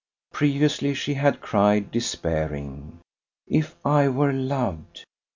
Previously she had cried, despairing: If I were loved!